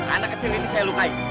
anak kecil ini saya lukai